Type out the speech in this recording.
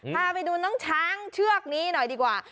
พาไปดูน้องช้างเชือกนี้หน่อยดีกว่า